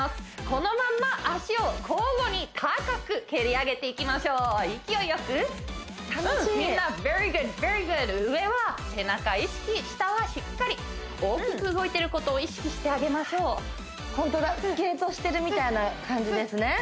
このまんま足を交互に高く蹴り上げていきましょう勢いよくうんみんなＶｅｒｙｇｏｏｄｖｅｒｙｇｏｏｄ楽しい上は背中意識下はしっかり大きく動いてることを意識してあげましょうホントだスケートしてるみたいな感じですね